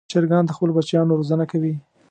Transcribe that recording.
چرګان د خپلو بچیانو روزنه کوي.